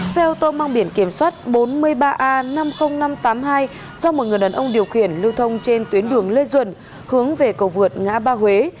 xe ô tô mang biển kiểm soát bốn mươi ba a năm mươi nghìn năm trăm tám mươi hai do một người đàn ông điều khiển lưu thông trên tuyến đường lê duẩn hướng về cầu vượt ngã ba huế